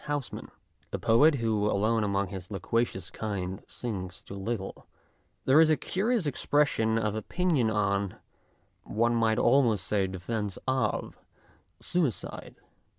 Housman, a poet who alone among his loquacious kind sings too little, there is a curious expression of opinion on one might almost say defence of suicide*.